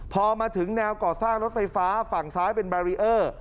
พอมาถึงแนวก่อสร้างรถไฟฟ้าฝั่งซ้ายเป็นบารีเออร์